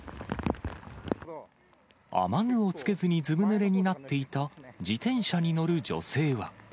雨具を着けずに、すぶぬれになっていた自転車に乗る女性は。